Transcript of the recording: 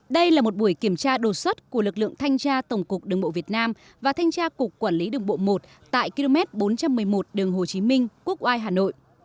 đây là một buổi kiểm tra đột xuất của lực lượng thanh tra tổng cục đường bộ việt nam và thanh tra cục quản lý đường bộ một tại km bốn trăm một mươi một đường hồ chí minh quốc oai hà nội